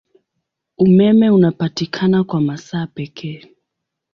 Umeme unapatikana kwa masaa pekee.